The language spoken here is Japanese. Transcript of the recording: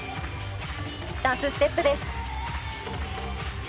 ダンスステップです。